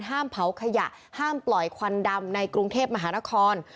ห้ามเผาขยะห้ามปล่อยควันดำในกรุงเทพมหานคร